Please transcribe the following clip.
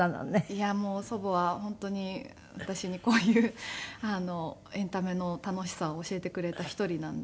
いやもう祖母は本当に私にこういうエンタメの楽しさを教えてくれた一人なんで。